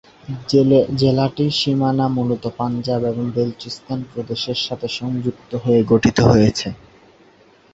জেলাটির সীমানা মূলত পাঞ্জাব এবং বেলুচিস্তান প্রদেশের সাথে সংযুক্ত হয়ে গঠিত হয়েছে।